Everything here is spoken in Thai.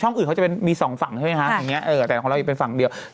ฉ่องอื่นมี๒ฝั่งใช่ไหมคะแต่เล่าเป็นฝั่งเดียว